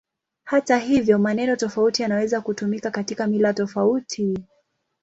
Hata hivyo, maneno tofauti yanaweza kutumika katika mila tofauti.